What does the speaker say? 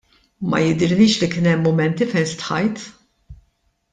Ma jidhirlix li kien hemm mumenti fejn stħajt.